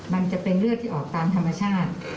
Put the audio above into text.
มันจะเป็นเลือดที่ออกตามธรรมชาติ